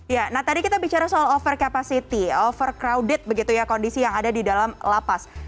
ya nah tadi kita bicara soal over capacity overcrowded begitu ya kondisi yang ada di dalam lapas